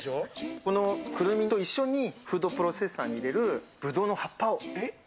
このくるみと一緒にフードプロセッサーに入れるぶどうの葉っぱを。